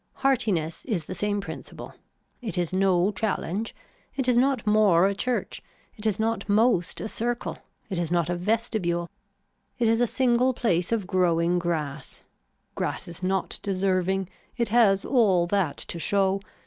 Heartiness is the same principle. It is no challenge. It is not more a church. It is not most a circle. It is not a vestibule. It is a single place of growing grass. Grass is not deserving. It has all that to show.